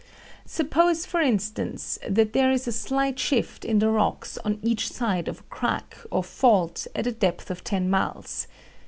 "Suppose, for instance, that there is a slight shift in the rocks on each side of a crack, or fault, at a depth of ten miles.